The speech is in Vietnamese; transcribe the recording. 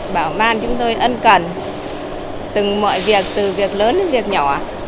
bảo man chúng tôi ân cần từng mọi việc từ việc lớn đến việc nhỏ